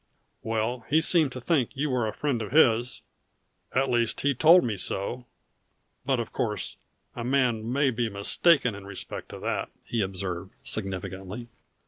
"Well, he seemed to think you were a friend of his at least he told me so but of course a man may be mistaken in respect to that," he observed significantly.